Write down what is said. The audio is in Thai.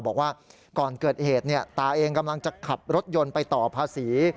บอกว่าก่อนเกิดเหตุตาเองกำลังจะขับรถยนต์ไปต่อภาษี